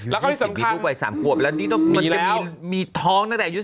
แล้วก็ที่สำคัญมีแล้วมีท้องนะครับอายุ๑๗